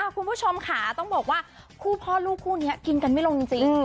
คุณผู้ชมค่ะต้องบอกว่าคู่พ่อลูกคู่นี้กินกันไม่ลงจริง